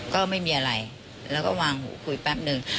ก็ไม่มีอะไรแล้วก็วางหูคุยแป๊บนึง